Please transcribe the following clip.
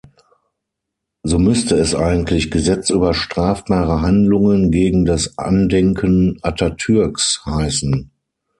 So müsste es eigentlich „"Gesetz über strafbare Handlungen gegen das Andenken Atatürks"“ heißen.